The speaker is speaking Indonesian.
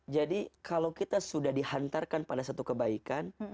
jadi kalau kita sudah dihantarkan pada satu kebaikan